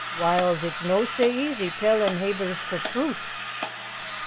Whiles, it's no sae easy tellin' havers frae truth."